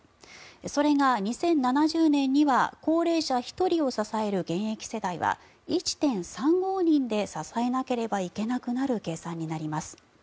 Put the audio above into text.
それが２０７０年には高齢者１人を支える現役世代は１．３５人で支えなければいけなくなる計算になります。